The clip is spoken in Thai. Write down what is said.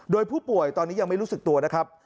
โดยผู้ป่วยตอนนี้ยังไม่รู้สึกตัวนะครับ